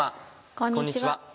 こんにちは。